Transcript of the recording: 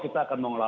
kita akan mengelola